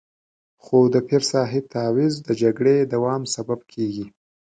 خو د پیر صاحب تعویض د جګړې دوام سبب کېږي.